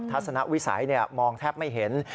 ทัศนวิสัยมองแทบไม่เห็น